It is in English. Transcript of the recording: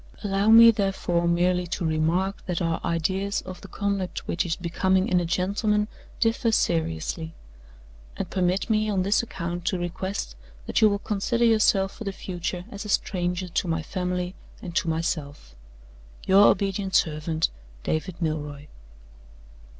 Allow me, therefore, merely to remark that our ideas of the conduct which is becoming in a gentleman differ seriously; and permit me on this account to request that you will consider yourself for the future as a stranger to my family and to myself. "Your obedient servant, "DAVID MILROY."